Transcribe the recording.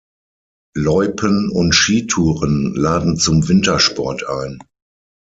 Loipen und Skitouren laden zum Wintersport ein.